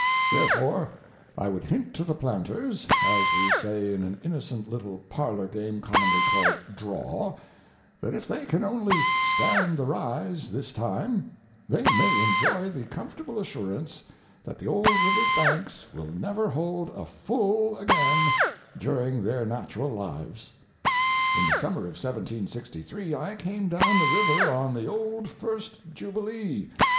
Therefore, I would hint to the planters, as we say in an innocent little parlor game commonly called "draw," that if they can only "stand the rise" this time they may enjoy the comfortable assurance that the old river's banks will never hold a "full" again during their natural lives. In the summer of 1763 I came down the river on the old first Jubilee.